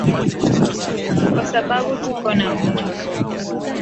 Kwasababu tuko na Mungu